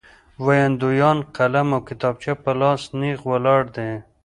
ویاندویان قلم او کتابچه په لاس نېغ ولاړ دي.